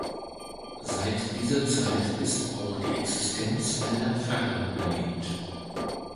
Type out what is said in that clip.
Seit dieser Zeit ist auch die Existenz einer Pfarre belegt.